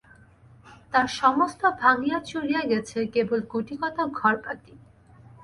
তার সমস্ত ভাঙিয়া-চুরিয়া গেছে, কেবল গুটিকতক ঘর বাকি।